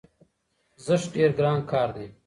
زښت ډېر ګران کار دی،